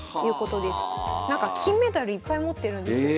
なんか金メダルいっぱい持ってるんですよ。